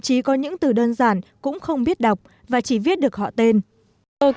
chỉ là những câu từ đơn giản trong sách tập đọc lớp một thôi